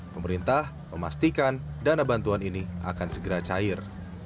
pemerintah memastikan dana bantuan ini akan segera cair